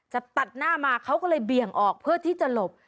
ตัดหน้ามาเขาก็เลยเบี่ยงออกเพื่อที่จะหลบ